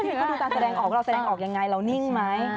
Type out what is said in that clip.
พอก็ดูจะแสดงออกจะแสดงออกยังไงเรานิ่งไหม